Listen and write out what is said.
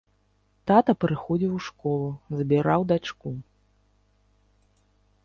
Тата прыходзіў у школу, забіраў дачку.